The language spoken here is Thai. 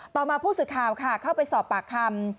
ต่อมาผู้สื่อข่าวค่ะเข้าไปสอบปากคำ